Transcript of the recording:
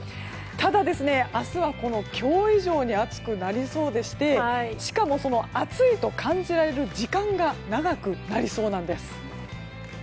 ただ、明日は今日以上に暑くなりそうでしてしかも暑いと感じられる時間が長くなりそうなんです。